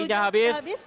sesi nya habis